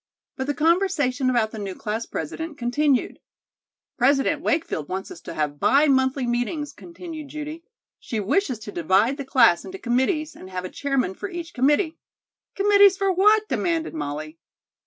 But the conversation about the new class president continued. "President Wakefield wants us to have bi monthly meetings," continued Judy. "She wishes to divide the class into committees and have a chairman for each committee " "Committees for what?" demanded Molly.